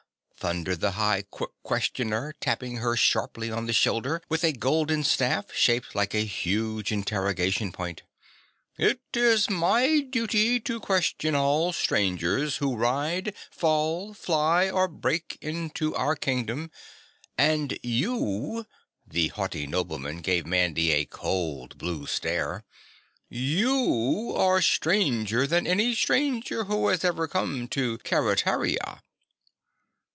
thundered the High Qui questioner, tapping her sharply on the shoulder with a golden staff shaped like a huge interrogation point. "It is my duty to question all strangers who ride, fall, fly or break into our Kingdom, and you," the Haughty Nobleman gave Mandy a cold blue stare, "YOU are stranger than any stranger who has ever come to Keretaria."